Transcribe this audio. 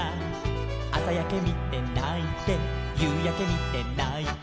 「あさやけみてないてゆうやけみてないて」